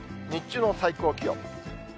日中の最高気温。